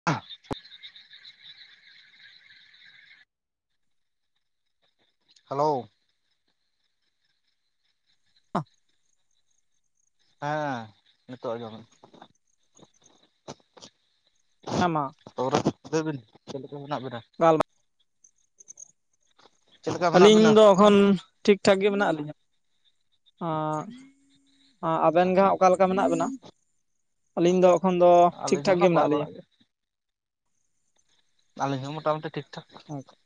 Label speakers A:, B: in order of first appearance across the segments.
A: [unintelligible] Hello
B: [unintelligible]
A: ᱦᱮᱸ ᱱᱤᱛᱚᱜ ᱟᱡᱚᱢ ᱠᱟᱱᱟ
B: [unintelligible]
A: ᱛᱟᱯᱚᱨᱮ ᱞᱟᱹᱭ ᱵᱤᱱ ᱪᱮᱫ ᱞᱮᱠᱟ ᱢᱮᱱᱟᱜ ᱵᱤᱱᱟ
B: [unintelligible]
A: ᱪᱮᱫ ᱞᱮᱠᱟ ᱢᱮᱱᱟᱜ
B: ᱟᱹᱞᱤᱧ
A: ᱵᱤᱱᱟ?
B: ᱫᱚ ᱮᱠᱷᱚᱱ ᱴᱷᱤᱠ ᱴᱷᱟᱠ ᱜᱮ ᱢᱮᱱᱟᱜ ᱞᱤᱧᱟ ᱟᱻᱻ ᱟᱵᱮᱱ ᱜᱮ ᱦᱟᱜ ᱚᱠᱟ ᱞᱮᱠᱟ ᱢᱮᱱᱟᱜ ᱵᱮᱱᱟ ᱟᱞᱤᱧ ᱫᱚ ᱮᱠᱷᱚᱱ ᱫᱚ ᱴᱷᱤᱠ
A: ᱟᱹᱞᱤᱧ
B: ᱴᱷᱟᱠ
A: ᱦᱚᱸ
B: ᱜᱮ
A: ᱱᱟᱯᱟᱭ
B: ᱢᱮᱱᱟᱜ ᱞᱤᱧᱟ
A: ᱵᱟᱲᱟᱜ ᱜᱮ ᱟᱞᱤᱧ ᱦᱚᱸ ᱢᱚᱴᱟᱢᱩᱴᱤ ᱴᱷᱤᱠᱴᱷᱟᱠ᱾
B: [inaudible]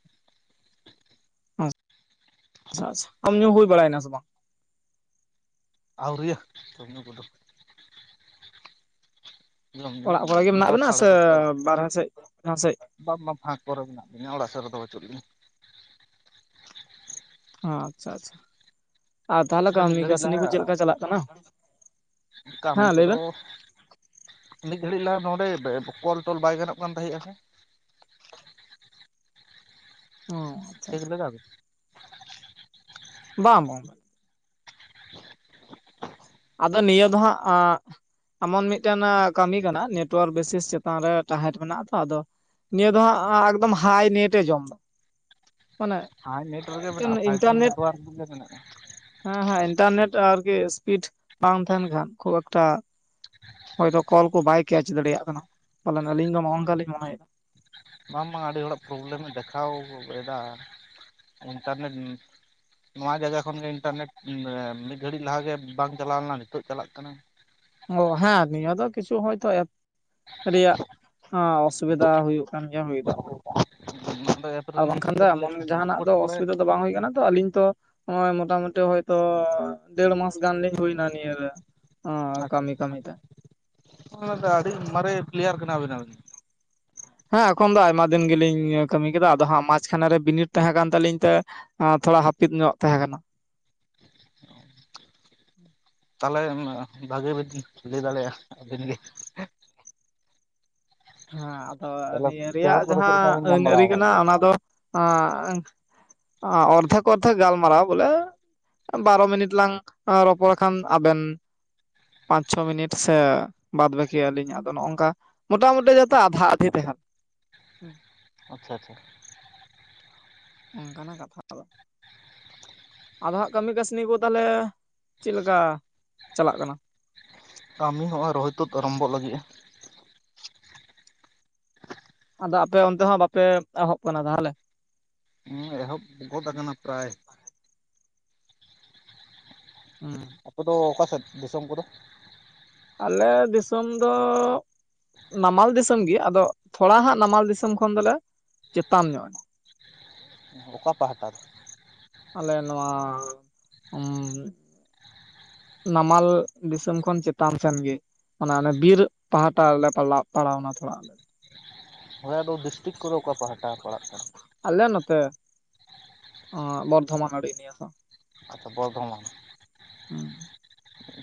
B: ᱟᱪᱪᱷᱟ ᱟᱪᱪᱷᱟ ᱡᱚᱢ ᱧᱩ ᱦᱩᱭ ᱵᱟᱲᱮᱱᱟ ᱥᱮ ᱵᱟᱝ?
A: ᱟᱹᱣᱨᱤᱭᱟ ᱡᱚᱢ ᱧᱩ ᱠᱚᱫᱚ ᱡᱚᱢ ᱧᱩ
B: ᱚᱲᱟᱜ ᱠᱚᱨᱮ ᱜᱮ ᱢᱮᱱᱟᱜ
A: ᱫᱚᱥ
B: ᱵᱮᱱᱟ
A: ᱥᱟᱲᱮ
B: ᱥᱮ
A: ᱫᱚᱥ ᱵᱟᱡᱮ᱾
B: ᱵᱟᱨᱦᱮ ᱥᱮᱫ ᱡᱟᱦᱟᱸ ᱥᱮᱫ
A: ᱵᱟᱝ ᱵᱟᱝ ᱯᱷᱟᱸᱠ ᱠᱚᱨᱮ ᱢᱮᱱᱟᱜ ᱞᱤᱧᱟ ᱚᱲᱟᱜ ᱥᱮᱫ ᱨᱮᱫᱚ ᱵᱟᱪᱩᱜ ᱞᱤᱧᱟ᱾
B: ᱦᱚᱸ ᱟᱪᱪᱷᱟ ᱟᱪᱪᱷᱟ᱾ ᱟᱨ ᱛᱟᱦᱚᱞᱮ
A: ᱢᱤᱫ
B: ᱠᱟᱹᱢᱤ
A: ᱜᱷᱟᱹᱲᱤᱡ
B: ᱠᱟᱹᱥᱱᱤ
A: ᱞᱟᱦᱟ
B: ᱠᱚ ᱪᱮᱫ ᱞᱮᱠᱟ ᱪᱟᱞᱟᱜ ᱠᱟᱱᱟ᱾
A: ᱠᱟᱹᱢᱤ
B: ᱦᱮᱸ ᱞᱟᱹᱭ
A: ᱠᱚᱫᱚ
B: ᱵᱮᱱ᱾
A: ᱢᱤᱫ ᱜᱷᱟᱹᱲᱤᱡ ᱞᱟᱦᱟ ᱱᱚᱰᱮ ᱠᱚᱞ ᱴᱚᱞ ᱵᱟᱭ ᱜᱟᱱᱚᱜ ᱠᱟᱱ ᱛᱟᱦᱮᱜ-ᱟ ᱥᱮ᱾
B: ᱟᱪᱪᱷᱟ
A: ᱪᱮᱠ
B: ᱟᱪᱪᱷᱟ
A: ᱞᱮᱫᱟ ᱵᱤᱱ᱾
B: ᱵᱟᱝ ᱵᱟᱝ ᱟᱫᱚ ᱱᱤᱭᱟᱹ ᱫᱚ ᱦᱟᱜ [unintelligible] ᱮᱢᱚᱱ ᱢᱤᱫᱴᱮᱱ ᱠᱟᱹᱢᱤ ᱠᱟᱱᱟ ᱱᱮᱴᱣᱟᱨᱠ ᱵᱮᱥᱮᱥ ᱪᱮᱛᱟᱱ ᱨᱮ ᱛᱟᱦᱮᱴ ᱢᱮᱱᱟᱜ-ᱟ ᱛᱚ ᱟᱫᱚ ᱱᱤᱭᱟᱹ ᱫᱚ ᱦᱟᱸᱜ ᱮᱠᱫᱚᱢ ᱦᱟᱭ ᱱᱮᱴ ᱮ ᱡᱚᱢ ᱫᱟ
A: ᱦᱟᱭ ᱱᱮᱴ ᱨᱮᱜᱮ
B: ᱢᱤᱫᱴᱮᱱ
A: ᱢᱮᱱᱟᱜ-ᱟ ᱯᱷᱟᱭᱤᱵᱼᱡᱤ
B: ᱤᱱᱴᱟᱨᱱᱮᱴ
A: ᱱᱮᱴᱳᱣᱟᱨᱠ ᱨᱮᱜᱮ ᱢᱮᱱᱟᱜ-ᱟ᱾
B: ᱦᱮᱸ ᱦᱮᱸ ᱤᱱᱴᱟᱨᱱᱮᱴ ᱟᱨᱠᱤ ᱥᱯᱤᱰ ᱵᱟᱝ ᱛᱟᱦᱮᱱ ᱠᱷᱟᱱ ᱠᱷᱩᱵ ᱮᱠᱴᱟ ᱦᱚᱭᱛᱚ ᱠᱚᱞ ᱠᱚ ᱵᱟᱭ ᱠᱮᱪ ᱫᱟᱲᱮᱭᱟᱜ ᱠᱟᱱᱟ ᱯᱟᱞᱮᱱ ᱟᱞᱤᱧ ᱫᱚ ᱱᱚᱜ-ᱚ ᱱᱚᱝᱠᱟ ᱞᱤᱧ ᱢᱚᱱᱮᱭᱮᱫᱟ᱾
A: ᱵᱟᱝ ᱵᱟᱝ ᱟᱹᱰᱤ ᱦᱚᱲᱟᱜ ᱯᱨᱚᱵᱞᱮᱢᱮ ᱫᱮᱠᱷᱟᱣ ᱮᱫᱟ ᱤᱱᱴᱟᱨᱱᱮᱴ ᱱᱚᱣᱟ ᱡᱟᱭᱜᱟ ᱠᱷᱚᱱᱜᱮ ᱤᱱᱴᱟᱨᱱᱮᱴ ᱢᱤᱫ ᱜᱷᱟᱹᱲᱤᱡ ᱞᱟᱦᱟ ᱜᱮ ᱵᱟᱝ ᱪᱟᱞᱟᱣ ᱞᱮᱱᱟ ᱱᱤᱛᱚᱜ ᱪᱟᱞᱟᱜ ᱠᱟᱱᱟ᱾
B: ᱚ ᱦᱮᱸ ᱱᱤᱭᱟᱹ ᱫᱚ ᱠᱤᱪᱷᱩ ᱦᱚᱭᱛᱚ ᱮᱯ ᱨᱮᱭᱟᱜ ᱚᱥᱵᱤᱫᱟ ᱦᱩᱭᱩᱜ ᱠᱟᱱᱟ᱾ ᱦᱮᱸ ᱦᱩᱭᱫᱟ
A: [unintelligible]
B: ᱟᱨ ᱵᱟᱝᱠᱷᱟᱱ ᱫᱚ
A: ᱨᱤᱯᱳᱨᱴ ᱞᱮᱫ
B: ᱮᱢᱚᱱ
A: ᱛᱟᱦᱮᱸᱫ
B: ᱡᱟᱦᱟᱱᱟᱜ
A: ᱨᱤᱯᱳᱨᱴ
B: ᱫᱚ
A: ᱯᱚᱨᱮ
B: ᱚᱥᱵᱤᱫᱟ ᱫᱚ ᱵᱟᱝ ᱦᱩᱭ ᱠᱟᱱᱟ ᱛᱚ ᱟᱹᱞᱤᱧ ᱛᱚ ᱱᱚᱜ-ᱚᱭ ᱢᱚᱴᱟ ᱢᱩᱴᱤ ᱦᱚᱭᱛᱚ ᱰᱮᱲ ᱢᱟᱥ ᱜᱟᱱ ᱞᱤᱧ ᱦᱩᱭᱱᱟ ᱱᱤᱭᱟᱹ ᱨᱮ᱾ ᱚᱻ ᱠᱟᱹᱢᱤ ᱠᱟᱹᱢᱤ ᱛᱮ᱾
A: ᱚᱱᱮ ᱫᱚ ᱟᱹᱰᱤ ᱢᱟᱨᱮ ᱯᱞᱮᱭᱟᱨ ᱠᱟᱱᱟ ᱵᱤᱱ ᱟᱵᱤᱱ ᱟᱵᱤᱱ
B: ᱦᱮᱸ ᱮᱠᱷᱚᱱ ᱫᱚ ᱟᱭᱢᱟ ᱫᱤᱱ ᱜᱮᱞᱤᱧ ᱠᱟᱹᱢᱤ ᱠᱮᱫᱟ ᱟᱫᱚ ᱦᱟᱸᱜ ᱢᱟᱡ ᱠᱷᱟᱱᱮ ᱨᱮ ᱵᱤᱱᱤᱴ ᱛᱟᱦᱮᱸ ᱠᱟᱱ ᱛᱟᱞᱤᱧ ᱛᱮ ᱛᱷᱚᱲᱟ ᱦᱟᱯᱤᱫ ᱧᱚᱜ ᱛᱟᱦᱮᱸ ᱠᱟᱱᱟ᱾
A: [unintelligible] ᱛᱟᱦᱚᱞᱮ ᱵᱷᱟᱹᱜᱤ ᱵᱤᱱ ᱞᱟᱹᱭ ᱫᱟᱲᱮᱭᱟᱜ-ᱟ ᱟᱹᱵᱤᱱ ᱜᱮ [inaudible]
B: ᱦᱮᱸ ᱟᱫᱚ
A: ᱛᱟᱦᱚᱞᱮ
B: ᱱᱤᱭᱟᱹ
A: ᱯᱮᱨᱚᱰ
B: ᱨᱮᱭᱟᱜ
A: ᱠᱚᱫᱚ ᱪᱮᱫ ᱞᱮᱠᱟ
B: ᱡᱟᱦᱟᱸ
A: ᱵᱤᱱ
B: ᱟᱹᱱ
A: ᱧᱟᱢ ᱵᱟᱲᱟ
B: ᱟᱹᱨᱤ
A: ᱟᱠᱟᱫ
B: ᱠᱟᱱᱟ
A: ᱜᱮᱭᱟ
B: ᱚᱱᱟ ᱫᱚ ᱚᱨᱫᱷᱮᱠ ᱚᱨᱫᱷᱮᱠ ᱜᱟᱞᱢᱟᱨᱟᱣ ᱵᱚᱞᱮ ᱵᱟᱨᱚ ᱢᱤᱱᱤᱴ ᱞᱟᱝ ᱨᱚᱯᱚᱲ ᱠᱷᱟᱱ ᱟᱵᱮᱱ ᱯᱟᱸᱪ ᱪᱷᱚ ᱢᱤᱱᱤᱴ ᱥᱮ ᱵᱟᱫᱽᱵᱟᱹᱠᱤ ᱟᱞᱤᱧ ᱟᱫᱚ ᱱᱚᱜ-ᱚ ᱱᱚᱝᱠᱟ ᱢᱚᱴᱟᱢᱩᱴᱤ ᱡᱚᱛᱚ ᱟᱫᱷᱟ ᱟᱫᱷᱤ ᱛᱟᱦᱮᱱ᱾
A: ᱟᱪᱪᱷᱟ ᱟᱪᱪᱷᱟ
B: ᱚᱱᱠᱟᱱᱟ ᱠᱟᱛᱷᱟ ᱫᱚ ᱟᱫᱚ ᱦᱟᱸᱜ ᱠᱟᱹᱢᱤ ᱠᱟᱹᱥᱱᱤ ᱠᱚ ᱛᱟᱦᱚᱞᱮ ᱪᱮᱫ ᱞᱮᱠᱟ ᱪᱟᱞᱟᱜ ᱠᱟᱱᱟ
A: ᱠᱟᱹᱢᱤ ᱦᱚᱸᱜ-ᱚᱭ ᱨᱚᱦᱚᱭ ᱛᱩᱫ ᱟᱨᱚᱢᱵᱷᱚᱜ ᱞᱟᱹᱜᱤᱜ-ᱟ᱾
B: ᱟᱫᱚ ᱟᱯᱮ ᱚᱱᱛᱮ ᱦᱚᱸ ᱵᱟᱯᱮ ᱮᱦᱚᱵ ᱠᱟᱱᱟ ᱛᱟᱦᱚᱞᱮ?
A: ᱦᱮᱸ ᱮᱦᱚᱵ ᱜᱚᱫ ᱠᱟᱱᱟ ᱯᱨᱟᱭ
B: ᱦᱩᱸ
A: ᱟᱯᱮ ᱫᱚ ᱚᱠᱟ ᱥᱮᱫ ᱫᱤᱥᱚᱢ ᱠᱚᱫᱚ?
B: ᱟᱞᱮ ᱫᱤᱥᱚᱢ ᱫᱚ ᱱᱟᱢᱟᱞ ᱫᱤᱥᱚᱢ ᱜᱮ ᱟᱫᱚ ᱛᱷᱚᱲᱟ ᱦᱟᱸᱜ ᱱᱟᱢᱟᱞ ᱫᱤᱥᱚᱢ ᱠᱷᱚᱱ ᱫᱚᱞᱮ ᱪᱮᱛᱟᱱ ᱧᱚᱜ ᱮᱱᱟ
A: ᱚᱠᱟ ᱯᱟᱦᱴᱟ ᱨᱮ?
B: ᱟᱞᱮ ᱱᱚᱣᱟ ᱩᱸᱻ ᱱᱟᱢᱟᱞ ᱫᱤᱥᱚᱢ ᱠᱷᱚᱱ ᱪᱮᱛᱟᱱ ᱥᱮᱱᱜᱮ᱾ ᱚᱱᱟ ᱚᱱᱮ ᱵᱤᱨ ᱯᱟᱦᱴᱟ ᱨᱮᱞᱮ ᱯᱟᱲᱟᱣᱱᱟ ᱛᱷᱚᱲᱟ ᱟᱞᱮ᱾
A: ᱦᱭᱟᱫᱚ ᱰᱤᱥᱴᱤᱠ ᱠᱚᱨᱮ ᱚᱠᱟ ᱯᱮᱟᱦᱴᱟ ᱯᱟᱲᱟᱜ ᱠᱟᱱᱟ?
B: ᱟᱞᱮ ᱱᱚᱛ ᱚ ᱵᱚᱨᱫᱷᱚᱢᱟᱱ ᱟᱲᱤ ᱱᱤᱭᱟ. ᱫᱚ ᱾
A: ᱟᱪᱪᱷᱟ ᱵᱚᱨᱫᱷᱚᱢᱟᱱ
B: ᱦᱩᱸ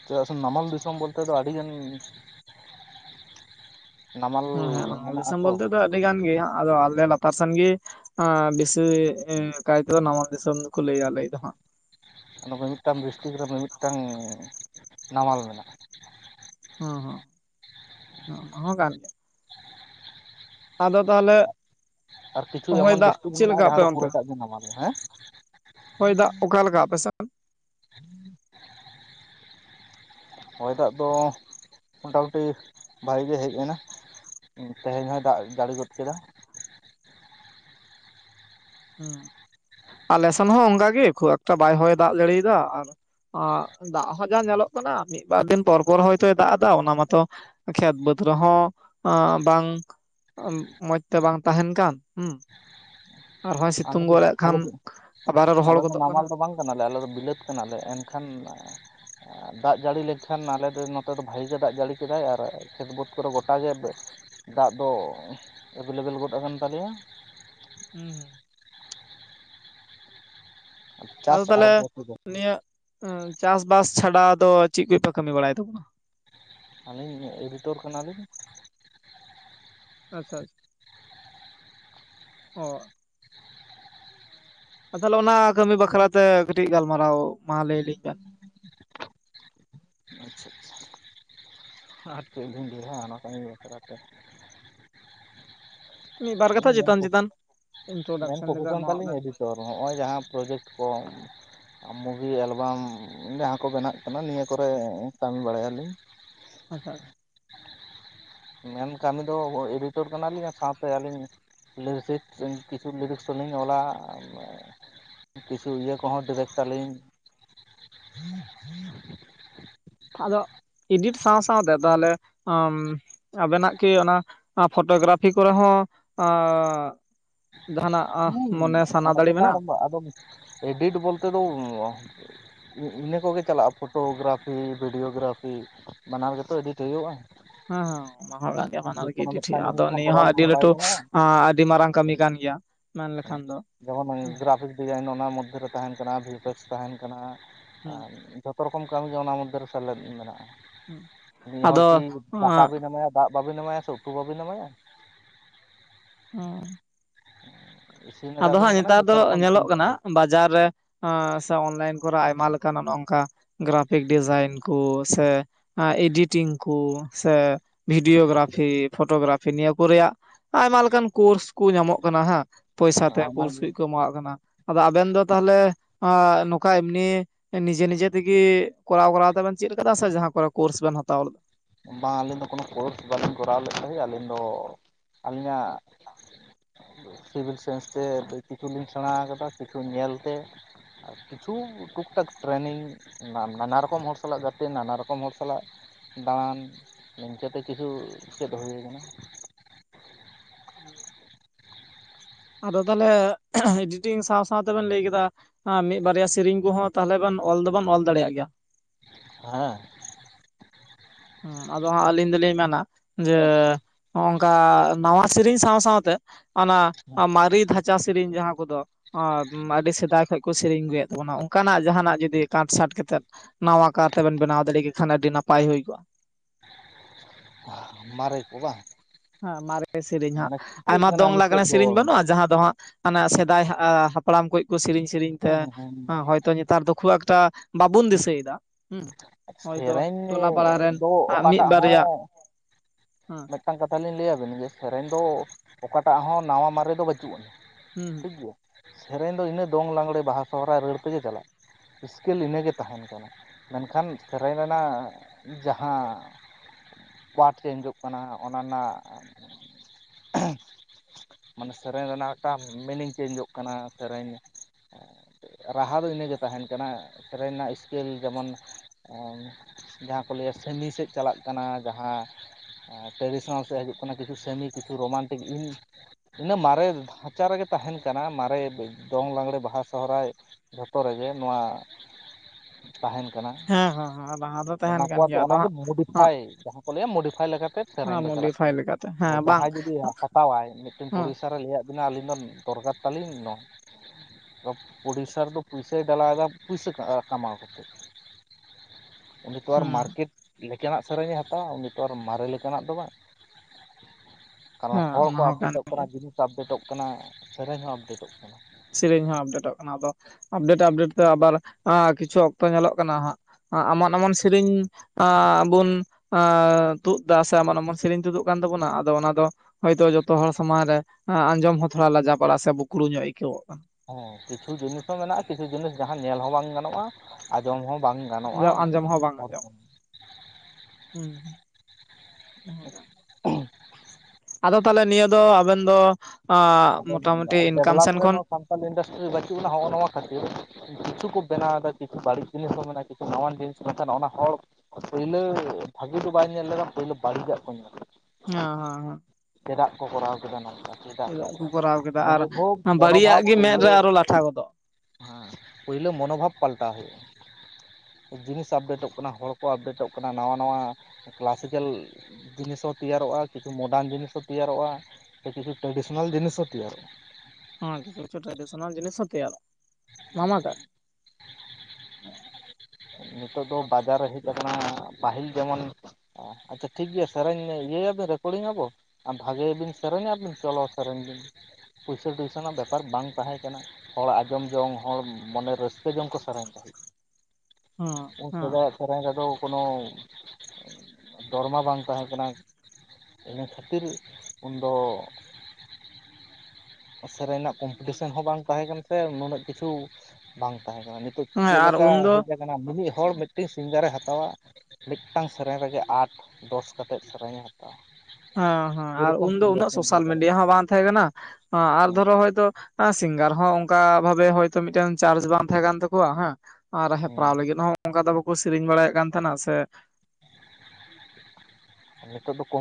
A: ᱪᱮᱫᱟᱜ ᱥᱮ ᱱᱟᱢᱟᱞ ᱫᱤᱥᱚᱢ ᱵᱚᱞᱛᱮ ᱫᱚ ᱟᱹᱰᱤ ᱜᱟᱱ ᱱᱟᱢᱟᱞ
B: ᱦᱩᱸ ᱦᱮᱸ ᱱᱟᱢᱟᱞ
A: ᱢᱮᱱᱟᱜᱼᱟ
B: ᱫᱤᱥᱚᱢ
A: ᱛᱚ
B: ᱵᱚᱞᱛᱮ ᱫᱚ ᱟᱹᱰᱤ ᱜᱟᱱ ᱜᱮ ᱟᱫᱚ ᱟᱞᱮ ᱞᱟᱛᱟᱨ ᱥᱮᱱᱜᱤ ᱟ ᱵᱮᱥᱤ ᱠᱟᱭᱛᱮ ᱱᱟᱢᱟᱱ ᱫᱤᱥᱚᱢ ᱫᱚᱠᱚ ᱞᱟᱹᱭᱟ ᱞᱟᱹᱭ ᱫᱚ ᱦᱟᱸᱜ ᱾
A: ᱫᱚᱵᱤ ᱢᱤᱼᱢᱤᱫᱴᱟᱝ ᱰᱤᱥᱴᱤᱠ ᱨᱮ ᱢᱤᱼᱢᱤᱫᱴᱟᱝ ᱱᱟᱢᱟᱞ ᱢᱮᱱᱟᱜᱼᱟ ᱾
B: ᱦᱩᱸ ᱦᱩᱸ ᱦᱚᱸ ᱠᱟᱱᱜᱮ ᱛᱟᱦᱚᱞᱮ
A: ᱟᱨ ᱠᱤᱪᱷᱩ
B: ᱦᱚᱭ
A: ᱮᱢᱚᱱ
B: ᱫᱟᱜ
A: ᱰᱤᱥᱴᱤᱠ
B: ᱪᱮᱫ
A: ᱢᱮᱱᱟᱜᱼᱟ
B: ᱞᱮᱠᱟ
A: ᱡᱟᱦᱟᱸ
B: ᱟᱯᱮ
A: ᱫᱚ
B: ᱚᱱᱛᱮ
A: ᱯᱩᱨᱟᱹᱴᱟᱜ ᱜᱮ ᱱᱟᱢᱟᱞ ᱜᱮ ᱦᱮᱸ ᱾
B: ᱦᱚᱭ ᱫᱟᱜ ᱚᱠᱟᱞᱮᱠᱟ ᱟᱯᱮ ᱥᱮᱱ?
A: [inaudible] ᱦᱚᱭ ᱫᱟᱜ ᱫᱚ ᱢᱚᱴᱟᱢᱩᱴᱤ ᱵᱷᱟᱜᱤ ᱜᱮ ᱦᱮᱡ ᱮᱱᱟ ᱾ ᱛᱮᱦᱮᱧ ᱦᱚᱭ ᱫᱟᱜ ᱡᱟᱹᱲᱤ ᱜᱚᱫ ᱠᱮᱫᱟ ᱾
B: ᱦᱩᱸ ᱟᱨ ᱞᱮᱥᱚᱱ ᱦᱚᱸ ᱚᱱᱠᱟᱜᱮ ᱠᱷᱩᱵ ᱮᱠᱴᱟ ᱵᱟᱭ ᱦᱚᱭ ᱫᱟᱜ ᱡᱟᱲᱤᱭ ᱫᱟ ᱟᱨ ᱟᱜ ᱫᱟᱜ ᱦᱚᱸ ᱡᱟ ᱧᱮᱞᱚᱜ ᱠᱟᱱᱟ ᱢᱤᱫ ᱵᱟᱨ ᱫᱤᱱ ᱯᱚᱨ ᱯᱚᱨ ᱦᱚᱭᱛᱚᱭ ᱫᱟᱜ ᱮᱫᱟ ᱚᱱᱟ ᱢᱟᱛᱚ ᱠᱷᱮᱛ ᱵᱟᱹᱫᱽ ᱨᱮᱦᱚᱸ ᱵᱟᱝ ᱢᱚᱸᱡᱽ ᱛᱮ ᱵᱟᱝ ᱛᱟᱦᱮᱱ ᱠᱟᱱ ᱦᱩᱸ ᱾
A: ᱟᱞᱮ ᱫᱤᱥ
B: ᱠᱷᱟᱱ
A: ᱟᱞᱮᱫᱤ
B: ᱟᱵᱟᱨᱮ ᱨᱚᱦᱚᱲ
A: ᱟᱞᱮ ᱫᱚ
B: ᱜᱚᱫᱚᱜ ᱠᱟᱱᱟ
A: ᱱᱟᱢᱟᱞ ᱫᱚ ᱵᱟᱝ ᱾ ᱠᱟᱱᱟᱞᱮ ᱟᱞᱮ ᱫᱚ ᱵᱤᱞᱟᱹᱛ ᱠᱟᱱᱟᱞᱮ ᱮᱱᱠᱷᱟᱱ ᱫᱟᱜ ᱡᱟᱹᱲᱤ ᱞᱮᱱᱠᱷᱟᱱ ᱟᱞᱮ ᱫᱚ ᱱᱚᱛᱮ ᱫᱚ ᱵᱷᱟᱜᱮ ᱜᱮ ᱫᱟᱜ ᱡᱟᱹᱲᱤ ᱠᱮᱫᱟᱭ ᱟᱨ ᱠᱷᱮᱛ ᱵᱟᱹᱫᱽ ᱠᱚᱨᱮ ᱜᱚᱴᱟᱜᱮ ᱾ ᱫᱟᱜ ᱫᱚ ᱮᱵᱮᱞᱮᱵᱮᱞ ᱜᱚᱫ ᱟᱠᱟᱱ ᱛᱟᱞᱮᱭᱟ ᱾
B: ᱦᱩᱸ ᱟᱫᱚ
A: ᱪᱟᱥ
B: ᱛᱟᱦᱚᱞᱮ
A: ᱟᱨᱟᱢᱵᱚ ᱠᱮᱫᱟ
B: ᱱᱤᱭᱟᱹ ᱪᱟᱥᱵᱟᱥ ᱪᱷᱟᱰᱟ ᱫᱚ ᱪᱮᱫ ᱠᱚᱯᱮ ᱠᱟᱹᱢᱤ ᱵᱟᱲᱟᱭ ᱛᱟᱵᱚᱱᱟ?
A: ᱟᱹᱞᱤᱧ ᱮᱰᱤᱴᱚᱨ ᱠᱟᱱᱟᱞᱤᱧ ᱾
B: ᱟᱪᱪᱷᱟ ᱟᱪᱪᱷᱟ ᱚ ᱟᱨ ᱛᱟᱦᱚᱞᱮ ᱚᱱᱟ ᱠᱟᱹᱢᱤ ᱵᱟᱠᱷᱨᱟᱛᱮ ᱠᱟᱹᱴᱤᱡ ᱜᱟᱞᱢᱟᱨᱟᱣ ᱢᱟ ᱞᱟᱹᱭᱟᱞᱤᱧ ᱵᱮᱱ ᱾
A: ᱟᱪᱪᱷᱟ ᱟᱪᱪᱷᱟ ᱟᱨ ᱪᱮᱫᱞᱤᱧ ᱞᱮᱭᱟ ᱚᱱᱟ ᱴᱟᱭᱳᱢ ᱨᱮ ᱪᱟᱞᱟᱳ ᱛᱮ ᱾
B: ᱢᱤᱫ ᱵᱟᱨ
A: ᱟᱞᱤᱧ
B: ᱠᱟᱛᱷᱟ
A: ᱢᱮᱱ
B: ᱪᱮᱛᱟᱱ ᱪᱮᱛᱟᱱ
A: ᱢᱮᱱ
B: ᱤᱱᱴᱨᱳᱰᱟᱠᱥᱮᱱ ᱞᱮᱠᱟ
A: ᱯᱨᱚᱯᱷᱮᱥᱚᱱ
B: ᱮᱢᱟᱣᱟᱜ
A: ᱛᱟᱞᱤᱧ
B: ᱵᱮᱱ
A: ᱮᱹᱰᱤᱴᱚᱨ ᱛᱚ ᱦᱚᱜᱼᱚᱭ ᱡᱟᱦᱟᱸ ᱯᱨᱚᱡᱮᱠᱴ ᱠᱚ ᱢᱩᱵᱷᱤ ᱮᱞᱵᱟᱢ ᱡᱟᱦᱟᱸ ᱠᱚ ᱵᱮᱱᱟᱜ ᱠᱟᱱᱟ ᱱᱤᱭᱟᱹ ᱠᱚᱨᱮ ᱠᱟᱹᱢᱤ ᱵᱟᱲᱟᱭᱟᱞᱤᱧ ᱾
B: ᱟᱪᱪᱷᱟ
A: ᱢᱮᱱ ᱠᱟᱹᱢᱤ ᱫᱚ ᱮᱰᱤᱴᱚᱨ ᱠᱟᱱᱟᱞᱤᱧᱟ ᱥᱟᱶᱛᱮ ᱟᱹᱞᱤᱧ ᱞᱤᱭᱩᱥᱤᱠ ᱠᱤᱪᱷᱩ ᱞᱤᱭᱩᱥᱤᱠ ᱦᱚᱞᱤᱧ ᱚᱞᱟ ᱾ ᱠᱤᱪᱷᱩ ᱤᱭᱟᱹ ᱠᱚᱦᱚᱸ ᱰᱨᱮᱠᱴᱞᱤᱧ
B: ᱟᱫᱚ ᱮᱰᱤᱴ ᱥᱟᱶ ᱥᱟᱶᱛᱮ ᱛᱟᱦᱚᱞᱮ ᱩᱢ ᱟᱵᱮᱱᱟᱜ ᱠᱤ ᱚᱱᱟ ᱯᱷᱚᱴᱳᱜᱨᱟᱯᱷᱤ ᱠᱚᱨᱮ ᱦᱚᱸ ᱡᱟᱦᱟᱱᱟᱜ
A: ᱦᱩᱸ
B: ᱢᱚᱱᱮ ᱥᱟᱱᱟ
A: ᱚᱱᱟᱮ
B: ᱫᱟᱲᱮ
A: ᱪᱮᱛᱟᱱ
B: ᱢᱮᱱᱟᱜᱼᱟ
A: ᱨᱮᱫᱚ ᱟᱫᱚᱢ ᱮᱰᱤᱴ ᱵᱚᱞᱛᱮ ᱫᱚ ᱾ ᱤᱱᱟᱹ ᱠᱚᱜᱮ ᱪᱟᱞᱟᱜᱼᱟ ᱯᱷᱚᱴᱳ ᱜᱨᱟᱯᱷᱤ ᱵᱷᱤᱰᱭᱳ ᱜᱨᱟᱯᱷᱤ ᱵᱟᱱᱟᱨ ᱜᱮᱛᱚ ᱮᱰᱤᱴ ᱦᱩᱭᱩᱜᱼᱟ ᱾
B: ᱦᱩᱸ ᱦᱩᱸ ᱚᱱᱟᱦᱚᱸ ᱢᱟᱦᱚᱲᱟᱜ ᱜᱮ ᱵᱟᱱᱟᱨ ᱜᱮ ᱤᱰᱤᱴ ᱦᱤᱭᱟ
A: ᱢᱤᱫᱴᱟᱝ ᱡᱤᱱᱤᱥ
B: ᱟᱫᱚ
A: ᱢᱟ
B: ᱱᱤᱭᱟᱹ
A: ᱠᱚᱨᱟᱣ
B: ᱦᱚᱸ ᱟᱹᱰᱤ
A: ᱞᱮᱠᱷᱟᱱ ᱵᱟᱭ
B: ᱞᱟᱹᱴᱩ
A: ᱜᱟᱱᱚᱜᱼᱟ
B: ᱟᱹᱰᱤ ᱢᱟᱨᱟᱝ ᱠᱟᱹᱢᱤ ᱠᱟᱱ ᱾ ᱭᱮᱭᱟ
A: ᱦᱩᱸ ᱡᱮᱢᱚᱭ ᱜᱨᱟᱯᱷᱤᱠ ᱰᱤᱡᱟᱭᱤᱱ ᱚᱱᱟ ᱢᱚᱫᱽᱫᱷᱮ ᱨᱮ ᱛᱟᱦᱮᱱ ᱠᱟᱱᱟ ᱵᱷᱤᱯᱮᱠᱥ ᱛᱟᱦᱮᱱ ᱠᱟᱱᱟ ᱾ ᱟᱨ
B: ᱦᱩᱸ
A: ᱡᱷᱚᱛᱚ ᱨᱚᱠᱚᱢ ᱠᱟᱹᱢᱤᱜᱮ ᱚᱱᱟ ᱢᱚᱫᱽᱫᱷᱮ ᱨᱮ ᱥᱮᱞᱮᱫ ᱢᱮᱱᱟᱜᱼᱟ ᱾ ᱢᱤᱫ ᱦᱚᱲ
B: ᱟᱫᱚ
A: ᱠᱤ ᱫᱟᱠᱟ ᱵᱤᱱ ᱮᱢᱟᱭᱟ ᱫᱟᱜ ᱵᱟᱵᱤᱱ ᱮᱢᱟᱭᱟ ᱥᱮ ᱩᱛᱩ ᱵᱟᱵᱤᱱ ᱮᱢᱟᱭᱟ ᱾
B: ᱦᱮᱸ
A: ᱤᱥᱤᱱ ᱠᱟᱫᱟᱵᱤᱱ ᱢᱟᱱᱮ
B: ᱱᱮᱛᱟᱨ
A: ᱡᱷᱚᱛᱚ
B: ᱫᱚ
A: ᱨᱚᱠᱚᱢ
B: ᱧᱮᱞᱚᱜ
A: ᱤᱥᱤᱱ ᱠᱟᱜ
B: ᱠᱟᱱᱟ
A: ᱦᱩᱭᱩᱜᱼᱟ ᱾
B: ᱵᱟᱡᱟᱨ ᱨᱮ ᱚᱱᱞᱟᱭᱤᱱ ᱠᱚᱨᱮ ᱟᱭᱢᱟ ᱱᱚ ᱝᱠᱟ ᱜᱨᱟᱯᱷᱤᱠ ᱰᱤᱡᱟᱭᱤᱱ ᱾ ᱠᱚ ᱥᱮ ᱮᱰᱤᱴᱤᱝ ᱠᱚ ᱥᱮ ᱵᱷᱤᱰᱭᱳ ᱜᱨᱟᱯᱷᱤ ᱯᱷᱳᱴᱳ ᱜᱨᱟᱯᱷᱤ ᱱᱤᱭᱟᱹ ᱠᱚ ᱨᱮᱭᱟᱜ ᱟᱭᱢᱟ ᱞᱮᱠᱟᱱ ᱠᱳᱨᱥ ᱾ ᱠᱚ ᱧᱟᱢᱚᱜ ᱠᱟᱱᱟ ᱦᱟᱸᱜ ᱯᱚᱭᱥᱟ
A: ᱦᱮᱸ
B: ᱛᱮ
A: ᱟᱭᱢᱟ
B: ᱠᱳᱨᱥ
A: ᱜᱮ
B: ᱠᱚ ᱮᱢᱟᱣᱟᱜ ᱠᱟᱱᱟ ᱾ ᱟᱫᱚ ᱟᱵᱮᱱ ᱫᱚ ᱛᱟᱦᱚᱞᱮ ᱱᱚᱝᱠᱟ ᱮᱢᱱᱤ ᱱᱤᱡᱮ ᱱᱤᱡᱮ ᱛᱮᱜᱮ ᱠᱚᱨᱟᱣ ᱠᱚᱨᱟᱣ ᱛᱮᱵᱮᱱ ᱪᱮᱫ ᱟᱠᱟᱫᱟ ᱥᱮ ᱡᱟᱦᱟᱸ ᱠᱚᱨᱮ ᱠᱳᱨᱥ ᱵᱮᱱ ᱦᱟᱛᱟᱣ ᱞᱮᱫᱟ?
A: ᱵᱟᱝ ᱟᱹᱞᱤᱧ ᱫᱚ ᱠᱳᱱᱳ ᱠᱳᱨᱥ ᱵᱟᱹᱞᱤᱧ ᱠᱚᱨᱟᱣ ᱞᱮᱠᱷᱟᱱᱡ ᱟᱹᱞᱤᱧ ᱫᱚ ᱟᱹᱞᱤᱧᱟᱜ ᱥᱤᱵᱤᱞ ᱥᱟᱭᱮᱱᱥ ᱛᱮ ᱠᱤᱪᱷᱩᱞᱤᱧ ᱥᱮᱬᱟ ᱟᱠᱟᱫᱟ ᱠᱤᱪᱷᱩ ᱧᱮᱞᱛᱮ ᱾ ᱟᱨ ᱠᱤᱪᱷᱩ ᱴᱩᱠᱼᱴᱟᱠ ᱴᱨᱮᱱᱤᱝ ᱱᱟᱱᱟ ᱨᱚᱠᱚᱢ ᱦᱚᱲ ᱥᱟᱞᱟᱜ ᱜᱟᱛᱮ ᱱᱟᱱᱟ ᱨᱚᱠᱚᱢ ᱦᱚᱲ ᱥᱟᱞᱟᱜ ᱫᱟᱬᱟᱱ ᱱᱤᱱᱝᱠᱟᱹᱛᱮ ᱠᱤᱪᱷᱩ ᱪᱮᱫ ᱦᱩᱭᱩ ᱟᱠᱟᱱᱟ ᱾
B: [unintelligible] ᱟᱫᱚ ᱛᱟᱦᱚᱞᱮ ᱮᱰᱤᱴᱤᱝ ᱥᱟᱶ ᱥᱟᱶ ᱛᱮᱵᱮᱱ ᱞᱟᱹᱭ ᱠᱮᱫᱟ ᱢᱤᱫ ᱵᱟᱨᱭᱟ ᱥᱮᱨᱮᱧ ᱠᱚᱦᱚᱸ ᱛᱟᱦᱚᱞᱮ ᱚᱞ ᱫᱚᱵᱮᱱ ᱚᱞ ᱫᱟᱲᱮᱭᱟᱜ ᱜᱮᱭᱟ ᱾
A: ᱦᱮᱸ
B: ᱦᱩᱸ ᱟᱫᱚ ᱟᱹᱞᱤᱧ ᱫᱚᱞᱤᱧ ᱢᱮᱱᱟ ᱡᱮ ᱚᱝᱠᱟ ᱱᱟᱣᱟ ᱥᱮᱨᱮᱧ ᱥᱟᱶ ᱥᱟᱶᱛᱮ ᱚᱱᱟ ᱢᱟᱨᱮ ᱫᱷᱟᱪᱟ ᱥᱮᱨᱮᱧ ᱡᱟᱦᱟᱸ ᱠᱚᱫᱚ ᱟᱹᱰᱤ ᱥᱮᱫᱟᱭ ᱠᱷᱚᱱ ᱠᱚ ᱥᱮᱨᱮᱧ ᱟᱹᱜᱩᱭᱮᱫ ᱛᱟᱵᱚᱱᱟ ᱚᱱᱠᱟᱱᱟᱜ ᱡᱟᱦᱟᱱᱟᱜ ᱡᱩᱫᱤ ᱠᱟᱴ ᱥᱟᱴ ᱠᱟᱛᱮᱫ ᱱᱟᱣᱟ ᱠᱟᱨ ᱛᱮᱵᱮᱱ ᱵᱮᱱᱟᱣ ᱫᱟᱲᱮ ᱠᱮ ᱠᱷᱟᱱ ᱟᱹᱰᱤ ᱱᱟᱯᱟᱭ ᱦᱩᱭ ᱠᱚᱜᱼᱟ ᱾
A: ᱢᱟᱨᱮ ᱠᱚ ᱵᱟᱝ
B: ᱦᱮᱸ ᱢᱟᱨᱮ ᱥᱮᱤᱨᱤᱧ ᱦᱟᱸᱜ
A: ᱢᱟᱱᱮ ᱪᱤᱠᱟᱹᱜ
B: ᱟᱭᱢᱟ
A: ᱠᱟᱱᱟ
B: ᱫᱚᱝ
A: ᱱᱤᱛᱚᱜ
B: ᱞᱟᱜᱽᱬᱮ
A: ᱫᱚ
B: ᱥᱮᱨᱮᱧ
A: ᱦᱩᱸ
B: ᱵᱟᱹᱱᱩᱜᱼᱟ ᱡᱟᱦᱟᱸ ᱫᱚ ᱦᱟᱸᱜ ᱥᱮᱫᱟᱭ ᱦᱟᱯᱲᱟᱢ ᱠᱷᱚᱡ ᱠᱚ ᱥᱮᱨᱮᱤᱧ ᱥᱮᱨᱮᱤᱧ ᱛᱮ
A: ᱦᱩᱸ ᱦᱩᱸ
B: ᱦᱚᱭᱛᱚ ᱱᱮᱛᱟᱨ ᱫᱚ ᱠᱷᱩᱵ ᱮᱠᱴᱟ ᱵᱟᱵᱩᱱ ᱫᱤᱥᱟᱹᱭᱮᱫᱟ ᱦᱩᱸ ᱦᱚᱭᱛᱚ
A: ᱥᱮᱨᱮᱧ
B: ᱴᱚᱞᱟ ᱯᱟᱲᱟ ᱨᱮᱱ
A: ᱫᱚ
B: ᱢᱤᱫ
A: ᱚᱠᱟᱴᱟᱜ
B: ᱵᱟᱨᱭᱟ ᱦᱮᱸ
A: ᱦᱚᱸ
B: ᱦᱩᱸ
A: ᱢᱤᱫ ᱠᱟᱛᱷᱟ ᱞᱤᱧ ᱞᱟᱹᱭᱟᱵᱤᱱ ᱡᱮ ᱥᱮᱨᱮᱧ ᱫᱚ ᱚᱠᱟᱴᱟᱜ ᱦᱚᱸ ᱱᱟᱣᱟ ᱢᱟᱨᱮ ᱫᱚ ᱵᱟᱹᱪᱩᱜ ᱟᱱ
B: ᱦᱩᱸ
A: ᱴᱷᱤᱠ ᱜᱮᱭᱟ ᱾ ᱥᱮᱨᱮᱧ ᱫᱚ ᱤᱱᱟᱹ ᱫᱚᱝ ᱞᱟᱜᱽᱲᱮ ᱵᱟᱦᱟ ᱥᱚᱦᱨᱟᱭ ᱨᱟᱹᱲ ᱛᱮᱜᱮ ᱪᱟᱞᱟᱜᱼᱟ ᱮᱥᱠᱤᱞ ᱤᱱᱟᱹᱜᱮ ᱛᱟᱦᱮᱱ ᱠᱟᱱᱟ ᱾ ᱢᱮᱱᱠᱷᱟᱱ ᱥᱮᱨᱮᱧ ᱨᱮᱱᱟ ᱡᱟᱦᱟᱸ ᱯᱟᱴᱷ ᱪᱮᱡᱚᱜ ᱠᱟᱱᱟ ᱚᱱᱟ ᱨᱮᱱᱟᱜ ᱢᱟᱱᱮ ᱥᱮᱨᱮᱧ ᱨᱮᱱᱟᱜ ᱮᱴᱟ ᱢᱤᱱᱤᱝ ᱪᱮᱧᱡᱚᱜ ᱠᱟᱱᱟ ᱥᱮᱨᱮᱧ ᱨᱟᱦᱟ ᱫᱚ ᱤᱱᱟᱹᱜᱮ ᱛᱟᱦᱮᱱ ᱠᱟᱱᱟ ᱥᱮᱨᱮᱧ ᱨᱮᱱᱟᱜ ᱮᱥᱠᱤᱞ ᱡᱮᱢᱚᱱ ᱡᱟᱦᱟᱸ ᱠᱚ ᱞᱟᱹᱭᱟ ᱥᱮᱢᱤ ᱥᱮᱫ ᱪᱟᱞᱟᱜ ᱠᱟᱱᱟ ᱡᱟᱦᱟᱸ ᱴᱮᱨᱤᱥᱚᱱᱟᱞ ᱥᱮᱫ ᱦᱤᱡᱩᱜ ᱠᱟᱱᱟ ᱠᱤᱪᱷᱩ ᱥᱮᱢᱤ ᱠᱤᱪᱷᱩ ᱨᱳᱢᱟᱱᱴᱤᱠ ᱤᱧ ᱤᱱᱟᱹᱜ ᱢᱟᱨᱮ ᱫᱷᱟᱪᱟ ᱨᱮᱜᱮ ᱛᱟᱦᱮᱱ ᱠᱟᱱᱟ ᱢᱟᱨᱮ ᱫᱚᱝ ᱞᱟᱜᱽᱲᱮ ᱵᱟᱦᱟ ᱥᱚᱦᱨᱟᱭ ᱡᱷᱚᱛᱚ ᱨᱮᱜᱮ ᱱᱚᱣᱟ ᱛᱟᱦᱮᱱ ᱾
B: ᱦᱮᱸ ᱦᱮᱸ ᱦᱮᱸ ᱞᱟᱦᱟ ᱫᱚ ᱛᱟᱦᱮᱱ
A: ᱚᱱᱟ ᱠᱚ
B: ᱠᱟᱱ
A: ᱟᱛᱮ
B: ᱜᱮᱭᱟ ᱟᱫᱚ
A: ᱚᱱᱟ ᱜᱮ
B: ᱦᱟᱸᱜ
A: ᱢᱚᱰᱤᱯᱷᱟᱭ ᱡᱟᱦᱟᱸ ᱠᱚ ᱞᱟᱹᱭᱟ ᱢᱚᱰᱤᱯᱷᱟᱭ ᱞᱮᱠᱟ ᱛᱮ ᱥᱮᱨᱮᱧ
B: ᱦᱟᱸᱜ
A: ᱫᱚ ᱪᱟᱞᱟᱜ
B: ᱢᱚᱰᱤᱯᱷᱟᱭ ᱞᱮᱠᱟᱛᱮ
A: ᱠᱟᱱᱟ
B: ᱦᱮᱸ ᱵᱟᱝ
A: ᱡᱟᱦᱟᱸᱭ ᱡᱩᱫᱤ ᱦᱟᱛᱟᱣᱟᱭ ᱢᱤᱫᱴᱮᱱ
B: ᱦᱮᱸ
A: ᱯᱨᱚᱰᱤᱥᱟᱨ ᱨᱮ ᱞᱟᱹᱭᱟ [inaudible] ᱟᱹᱞᱤᱧ ᱫᱚ ᱫᱚᱨᱠᱟᱨ ᱛᱟᱹᱞᱤᱧ ᱯᱨᱚᱰᱩᱥᱟᱨ ᱫᱚ ᱯᱩᱭᱥᱟᱹᱭ ᱰᱟᱞᱟᱣᱮᱫᱟ ᱯᱩᱭᱥᱟᱹ ᱠᱟᱢᱟᱣ ᱠᱟᱛᱮ ᱩᱱᱤ ᱛᱚ ᱟᱨ
B: ᱦᱮᱸ
A: ᱢᱟᱨᱠᱮᱴ ᱞᱮᱠᱟᱱᱟᱜ ᱥᱮᱨᱮᱧ ᱮ ᱦᱟᱛᱟᱣᱟ ᱩᱱᱤ ᱛᱚ ᱢᱟᱨᱮ ᱞᱮᱠᱟᱱᱟᱜ ᱫᱚ ᱵᱟᱝ ᱠᱟᱨᱚᱱ
B: ᱦᱮᱸ
A: ᱦᱚᱲ
B: ᱚᱱᱟ
A: ᱠᱚ
B: ᱦᱚᱸ ᱠᱟᱱ
A: ᱟᱯᱰᱮᱴᱚᱜ ᱠᱟᱱᱟ ᱡᱤᱱᱤᱥ ᱟᱯᱰᱮᱴᱚᱜ ᱠᱟᱱᱟ ᱥᱮᱨᱮᱧ ᱦᱚᱸ ᱟᱯᱰᱮᱴᱚᱜ ᱠᱟᱱᱟ ᱾
B: ᱥᱮᱨᱮᱹᱧ ᱦᱚᱸ ᱟᱯᱰᱮᱴᱚᱜ ᱠᱟᱱᱟ ᱟᱫᱚ ᱟᱯᱰᱮᱴ ᱟᱯᱰᱮᱴ ᱛᱮ ᱟᱵᱟᱨ ᱠᱤᱪᱷᱩ ᱚᱠᱛᱚ ᱧᱮᱞᱚᱜ ᱠᱟᱱᱟ ᱦᱟᱸᱜ ᱮᱢᱟᱱ ᱮᱢᱟᱱ ᱥᱮᱨᱮᱧ ᱟ ᱵᱚᱱ ᱟ ᱛᱩᱫ ᱫᱟ ᱥᱮ ᱮᱢᱚᱱ ᱮᱢᱚᱱᱥᱮᱨᱮᱧ ᱛᱩᱫᱩᱜ ᱠᱟᱱ ᱛᱟᱵᱚᱱᱟ ᱟᱫᱚ ᱚᱱᱟ ᱫᱚ ᱦᱚᱭᱛᱚ ᱡᱚᱛᱚ ᱦᱚᱲ ᱥᱚᱢᱟᱝ ᱨᱮ ᱟᱸᱡᱚᱢ ᱦᱚᱸ ᱛᱷᱚᱲᱟ ᱞᱟᱡᱟ ᱯᱟᱲᱟ ᱥᱮ ᱵᱩᱠᱲᱩ ᱧᱚᱜ ᱟᱹᱭᱠᱟᱹᱣᱚᱜ ᱠᱟᱱᱟ ᱾
A: ᱦᱮᱸ ᱠᱤᱪᱷᱩ ᱡᱤᱱᱤᱥ ᱦᱚᱸ ᱢᱮᱱᱟᱜᱼᱟ ᱠᱤᱪᱷᱩ ᱡᱤᱱᱤᱥ ᱡᱟᱦᱟᱸ ᱧᱮᱞ ᱦᱚᱸ ᱵᱟᱝ ᱜᱟᱱᱚᱜᱼᱟ ᱟᱸᱡᱚᱢ ᱦᱚᱸ ᱵᱟᱝ ᱜᱟᱱᱚᱜᱼᱟ
B: ᱠᱟᱱᱟ ᱟᱸᱡᱚᱢ ᱦᱚᱸ ᱵᱟᱝ
A: ᱦᱚᱲ
B: ᱟᱸᱡᱚᱢ ᱦᱩᱸ
A: [unintelligible]
B: ᱟᱫᱚ ᱛᱟᱦᱚᱞᱮ ᱱᱤᱭᱟᱹ ᱫᱚ ᱟᱵᱮᱱ ᱫᱚ
A: ᱟᱫᱚ
B: ᱢᱚᱴᱟ ᱢᱩᱴᱤ ᱤᱱᱠᱟᱢ
A: ᱰᱮᱵᱷᱞᱚᱯ
B: ᱥᱮᱱ
A: ᱨᱮ
B: ᱠᱷᱚᱱ
A: ᱱᱚᱣᱟ ᱥᱟᱱᱛᱟᱞ ᱤᱱᱰᱟᱥᱴᱨᱤ ᱨᱮ ᱵᱟᱹᱪᱩᱜ ᱟᱱᱟ ᱦᱚᱜᱼᱚ ᱱᱚᱣᱟ ᱠᱷᱟᱹᱛᱤᱨ ᱠᱤᱪᱷᱩ ᱠᱚ ᱵᱮᱱᱟᱣ ᱮᱫᱟ ᱠᱤᱪᱷᱩ ᱵᱟᱹᱲᱤᱡ ᱡᱤᱱᱤᱥ ᱠᱚ ᱢᱮᱱᱟᱜᱼᱟ ᱠᱤᱪᱷᱩ ᱱᱟᱣᱟᱱ ᱡᱤᱱᱤᱥ ᱦᱚ ᱦᱚᱱᱚᱜ-ᱟ ᱦᱚᱲ ᱯᱳᱭᱞᱳ ᱵᱷᱟᱹᱜᱤ ᱫᱚ ᱵᱟᱭ ᱧᱮᱞ ᱞᱮᱟ ᱯᱳᱞᱳ ᱵᱟᱹᱲᱤᱡᱟᱜ ᱠᱚ ᱧᱮᱞᱟ
B: ᱦᱚᱻᱦᱚᱻᱦᱚ
A: ᱪᱮᱫᱟᱜ ᱠᱚ ᱠᱚᱨᱟᱣ ᱠᱮᱫᱟ ᱱᱚᱝᱠᱟ? ᱪᱮᱫᱟᱜ ᱠᱚ ᱠᱚᱨᱟᱣ ᱠᱮᱫᱟ ᱢᱚᱱᱚ ᱵᱷᱳᱠ ᱢᱚᱱᱚᱵᱷᱟᱯ
B: ᱵᱟᱹᱲᱤᱡᱟᱜ ᱜᱮ ᱢᱮᱫ
A: ᱯᱳᱭᱞᱳ
B: ᱨᱮ ᱟᱨᱚ ᱞᱟᱴᱷᱟ ᱜᱚᱫᱚᱜ
A: ᱦᱮᱸ ᱯᱳᱭᱞᱳ ᱢᱚᱱᱳᱵᱷᱟᱵᱽ ᱯᱟᱞᱴᱟᱣ ᱦᱩᱭᱩᱜᱼᱟ ᱾ ᱡᱤᱱᱤᱥ ᱟᱯᱰᱮᱴᱚᱜ ᱠᱟᱱᱟ, ᱦᱚᱲ ᱠᱚ ᱟᱯᱰᱮᱴᱚᱜ ᱠᱟᱱᱟ, ᱱᱟᱣᱟ ᱱᱟᱣᱟ ᱠᱞᱟᱥᱤᱠᱮᱞ ᱡᱤᱱᱤᱥ ᱦᱚᱸ ᱛᱮᱭᱟᱨᱚᱜᱼᱟ, ᱠᱤᱪᱷᱩ ᱢᱚᱰᱟᱨᱱ ᱡᱤᱱᱤᱥ ᱦᱚᱸ ᱛᱮᱭᱟᱨᱚᱜᱼᱟ᱾ ᱥᱮ ᱠᱤᱪᱷᱩ ᱴᱨᱟᱰᱤᱥᱚᱱᱟᱞ ᱡᱤᱱᱤᱥ ᱦᱚᱸ ᱛᱮᱭᱟᱨᱚᱜᱼᱟ᱾
B: [inaudible] ᱠᱤᱪᱷᱩ ᱴᱨᱟᱰᱤᱥᱚᱱᱟᱞ ᱡᱤᱱᱤᱥ ᱦᱚ ᱛᱮᱭᱟᱨᱚᱜ-ᱟ᱾ ᱢᱟᱢᱟᱴᱟᱜ
A: ᱱᱤᱛᱚᱜ ᱫᱚ ᱵᱟᱡᱟᱨ ᱨᱮ ᱦᱮᱡ ᱟᱠᱟᱱᱟ᱾ ᱯᱟᱹᱦᱤᱞ ᱡᱮᱢᱚᱱ ᱟᱪᱪᱷᱟ ᱴᱷᱤᱠ ᱜᱮᱭᱟ᱾ ᱥᱮᱨᱮᱧ ᱤᱭᱟᱹᱭᱟᱵᱮᱱ ᱨᱮᱠᱚᱨᱰᱤᱝ ᱟᱵᱚ? ᱟᱨ ᱵᱷᱟᱜᱮ ᱵᱤᱱ ᱥᱮᱨᱮᱧᱟᱵᱤᱱ ᱪᱚᱞᱚ ᱥᱮᱨᱮᱧ ᱵᱤᱱ ᱯᱩᱭᱥᱟᱹ ᱴᱩᱭᱥᱟ ᱱᱟᱜ ᱵᱮᱯᱟᱨ ᱵᱟᱝ ᱛᱟᱦᱮᱸ ᱠᱟᱱᱟ᱾ ᱦᱚᱲ ᱟᱸᱡᱚᱢ ᱡᱚᱝ ᱦᱚᱲ ᱢᱚᱱᱮ ᱨᱟᱹᱥᱠᱟᱹ ᱡᱚᱝ ᱠᱚ ᱥᱮᱨᱮᱧ ᱛᱟᱦᱮᱸᱜ᱾
B: ᱦᱚᱸ
A: ᱩᱱ ᱥᱮᱫᱟᱭ
B: ᱦᱚᱸ
A: ᱟᱜ ᱥᱮᱨᱮᱧ ᱨᱮᱫᱚ ᱠᱳᱱᱚ ᱫᱚᱨᱢᱟ ᱵᱟᱝ ᱛᱟᱦᱮᱸ ᱠᱟᱱᱟ᱾ ᱤᱱᱟᱹ ᱠᱷᱟᱹᱛᱤᱨ ᱩᱱᱫᱚ, ᱥᱮᱨᱮᱧ ᱱᱟᱜ ᱠᱚᱢᱯᱤᱴᱤᱥᱮᱱ ᱦᱚᱸ ᱵᱟᱝ ᱛᱟᱦᱮᱸ ᱠᱟᱱ, ᱥᱮ ᱱᱩᱱᱟᱹᱜ ᱠᱤᱪᱷᱩ ᱵᱟᱝ ᱛᱟᱦᱮᱸ ᱠᱟᱱᱟ᱾ ᱱᱤᱛᱚᱜ
B: ᱦᱮᱸ
A: ᱪᱮᱜ
B: ᱟᱨ
A: ᱞᱮᱠᱟ
B: ᱩᱱᱫᱚ
A: ᱦᱮᱡ ᱟᱠᱟᱱᱟ ᱢᱤᱢᱤᱜ ᱦᱚᱲ ᱢᱤᱫᱴᱮᱱ ᱥᱤᱝᱜᱟᱨᱮ ᱦᱟᱛᱟᱣᱟ ᱢᱤᱜᱴᱟᱝ ᱥᱮᱨᱮᱧ ᱨᱮᱜᱮ ᱟᱴ, ᱫᱚᱥ ᱠᱟᱛᱮᱫ ᱥᱮᱨᱮᱧᱮ ᱦᱟᱛᱟᱣᱟ [unintelligible]
B: ᱦᱚᱸ ᱦᱚᱸ ᱟᱨ
A: ᱡᱮᱨᱚᱠᱚᱢ
B: ᱩᱱᱫᱚ
A: ᱥᱤᱝᱜᱟᱨ
B: ᱩᱱᱟᱹᱜ
A: ᱴᱷᱮᱱ ᱵᱚᱱ
B: ᱥᱳᱥᱟᱞ
A: ᱪᱟᱞᱟᱜᱼᱟ
B: ᱢᱤᱰᱤᱭᱟ ᱦᱚᱸ ᱵᱟᱝ ᱛᱟᱦᱮᱸ ᱠᱟᱱᱟ᱾ ᱟᱨ
A: ᱦᱮᱸ
B: ᱫᱷᱚᱨᱚ ᱦᱚᱭᱛᱚ ᱟ ᱥᱤᱝᱜᱟᱨ ᱦᱚᱸ ᱚᱱᱠᱟ ᱵᱷᱟᱵᱮ ᱦᱚᱭᱛᱚ ᱢᱤᱫᱴᱮᱱ ᱪᱟᱨᱡ ᱵᱟᱝ ᱛᱟᱦᱮ ᱠᱟᱱ ᱛᱟᱠᱚᱣᱟ ᱦᱮᱸ᱾ ᱟᱨ
A: ᱦᱮᱸ
B: ᱦᱮᱯᱨᱟᱣ ᱞᱟᱹᱜᱤᱫ ᱦᱚ ᱚᱱᱠᱟ ᱫᱚ ᱵᱟᱠᱚ ᱥᱮᱨᱮᱧ ᱵᱟᱲᱟᱭᱮᱜ ᱠᱟᱱ ᱛᱟᱦᱮᱱᱟ ᱥᱮ᱾
A: ᱱᱤᱛᱳᱜ ᱫᱚ ᱠᱚᱢ